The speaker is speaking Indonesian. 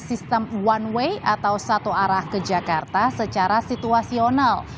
sistem one way atau satu arah ke jakarta secara situasional